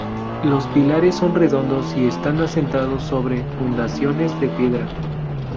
Los pilares son redondos y están asentados sobre fundaciones de piedra.